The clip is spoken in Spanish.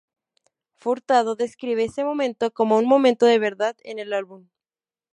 Furtado describe ese momento como "un momento de verdad en el álbum".